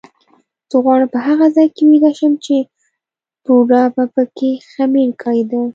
زه غواړم په هغه ځای کې ویده شم چې بوډا به پکې خمیر کېده.